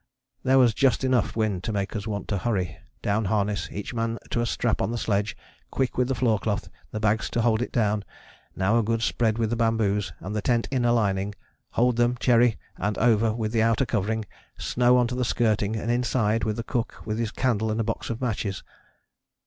There was just enough wind to make us want to hurry: down harness, each man to a strap on the sledge quick with the floor cloth the bags to hold it down now a good spread with the bamboos and the tent inner lining hold them, Cherry, and over with the outer covering snow on to the skirting and inside with the cook with his candle and a box of matches....